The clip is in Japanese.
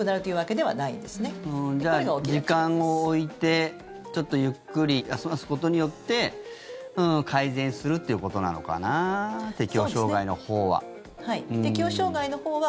じゃあ時間を置いてちょっとゆっくり休ますことによって改善するということなのかな適応障害のほうは。